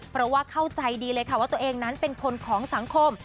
เพราะว่าเข้าใจดีเลยค่ะว่าตัวเองนั้นเป็นคนของสังคม